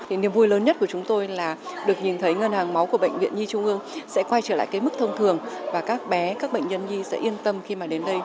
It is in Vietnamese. thì niềm vui lớn nhất của chúng tôi là được nhìn thấy ngân hàng máu của bệnh viện nhi trung ương sẽ quay trở lại cái mức thông thường và các bé các bệnh nhân nhi sẽ yên tâm khi mà đến đây